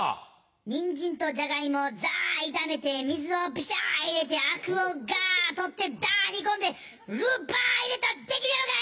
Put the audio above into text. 人参とジャガイモをザー炒めて水をビシャー入れてアクをガー取ってダー煮込んでルーバー入れたら出来るやろがい！